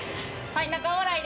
はい。